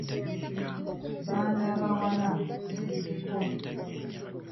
Baana bawala mweddeko!